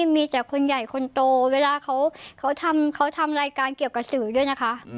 มีแต่คนใหญ่คนโตเวลาเขาทำรายการเกี่ยวกับสื่อด้วยนะคะ